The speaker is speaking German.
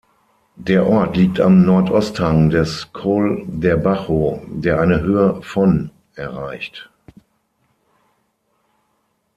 Der Ort liegt am Nordosthang des Col d’Erbajo, der eine Höhe von erreicht.